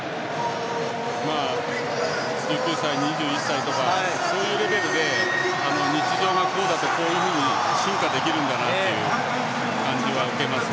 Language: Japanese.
１９歳、２１歳とかそういうレベルで日常がこうだとこういうふうに進化できるんだなという感じは受けます。